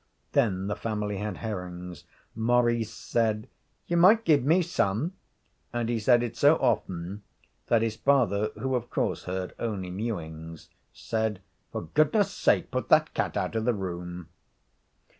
Then the family had herrings. Maurice said, 'You might give me some,' and he said it so often that his father, who, of course, heard only mewings, said: 'For goodness' sake put that cat out of the room.'